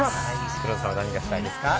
黒田さんは何がしたいですか？